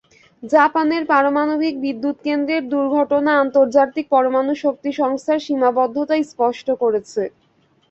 জাপানের পারমাণবিক বিদ্যুৎকেন্দ্রের দুর্ঘটনা আন্তর্জাতিক পরমাণু শক্তি সংস্থার সীমাবদ্ধতাও স্পষ্ট করেছে।